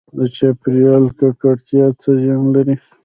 د چاپیریال ککړتیا څه زیان لري؟